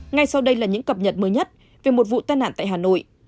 ngay sau đây là những cập nhật mới nhất về một vụ tai nạn tại hà nội